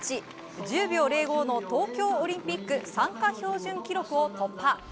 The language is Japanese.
１０秒０５の東京オリンピック参加標準記録を突破。